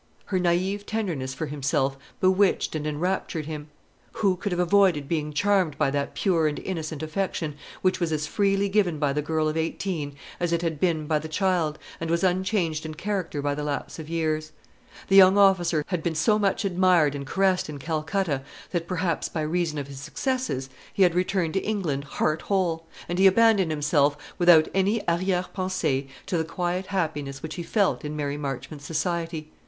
Her naïve tenderness for himself bewitched and enraptured him. Who could have avoided being charmed by that pure and innocent affection, which was as freely given by the girl of eighteen as it had been by the child, and was unchanged in character by the lapse of years? The young officer had been so much admired and caressed in Calcutta, that perhaps, by reason of his successes, he had returned to England heart whole; and he abandoned himself, without any arrière pensée, to the quiet happiness which he felt in Mary Marchmont's society.